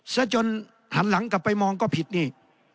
ซะจนหันหลังกลับไปมองก็ผิดนี่